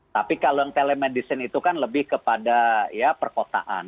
tapi kalau yang telemedicine itu kan lebih kepada ya perkotaan